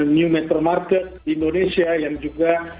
new metro market di indonesia yang juga